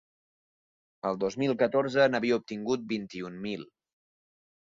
El dos mil catorze n’havia obtinguts vint-i-un mil.